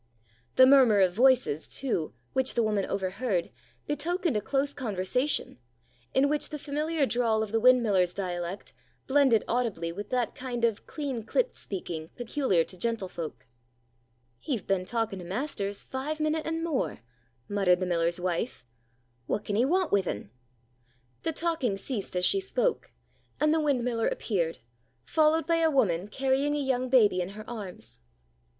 The murmur of voices, too, which the woman overheard, betokened a close conversation, in which the familiar drawl of the windmiller's dialect blended audibly with that kind of clean clipt speaking peculiar to gentlefolk. "He've been talking to master's five minute an' more," muttered the miller's wife. "What can 'ee want with un?" The talking ceased as she spoke, and the windmiller appeared, followed by a woman carrying a young baby in her arms.